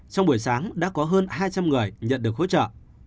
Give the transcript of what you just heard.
trong buổi sáng đã có hơn hai trăm linh người nhận được hỗ trợ